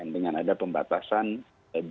dengan ada pembatasan jam untuk berjalan